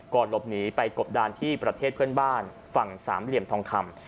หลบหนีไปกบดานที่ประเทศเพื่อนบ้านฝั่งสามเหลี่ยมทองคำ